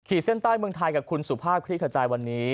เส้นใต้เมืองไทยกับคุณสุภาพคลิกขจายวันนี้